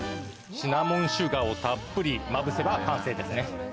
シナモンシュガーをたっぷりまぶせば完成ですね。